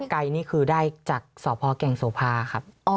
ไก่นี่คือได้จากสพแก่งโสภาครับ